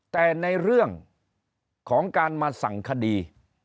แต่ในเรื่องของการมาสั่งคดี